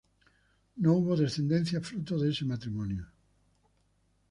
No hubo descendencia fruto de este matrimonio.